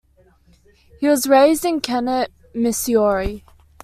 He was raised in Kennett, Missouri.